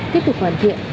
tiếp tục hoàn thiện